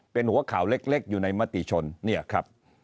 เป็นหัวข่าวเล็กอยู่ในมติชนเนี่ยครับ